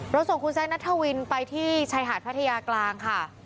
ส่งคุณแซคนัทวินไปที่ชายหาดพัทยากลางค่ะ